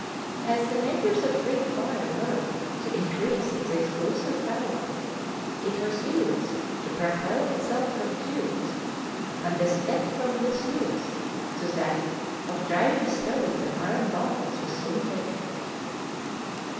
As the makers of Greek fire learned to increase its explosive power, it was used to propel itself from tubes, and the step from this use to that of driving stones and iron balls was soon taken.